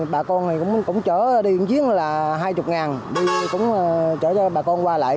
bà con cũng chở đi một chiếc là hai mươi ngàn cũng chở cho bà con qua lại